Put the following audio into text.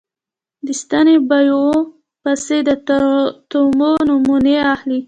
د ستنې بایوپسي د تومور نمونې اخلي.